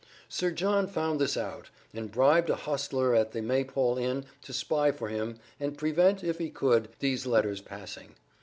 Sir John found this out, and bribed a hostler at the Maypole Inn to spy for him and prevent, if he could, these letters passing.